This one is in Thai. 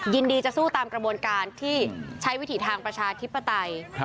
ยินดีจะสู้ตามกระบวนการที่ใช้วิถีทางประชาธิปไตย